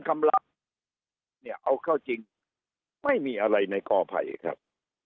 คำลักษณ์เนี้ยเอาเข้าจริงไม่มีอะไรในกล่อภัยครับ